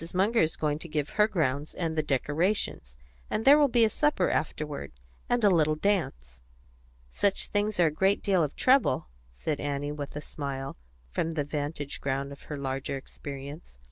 Munger is going to give her grounds and the decorations, and there will be a supper afterward, and a little dance." "Such things are a great deal of trouble," said Annie, with a smile, from the vantage ground of her larger experience.